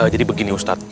jadi begini ustadz